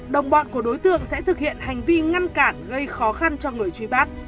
đồng bọn của đối tượng sẽ thực hiện hành vi ngăn cản gây khó khăn cho người truy bắt